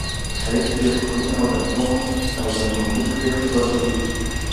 تاريخ، ژبپوهني او د عمومي تاريخ په برخو کي دي.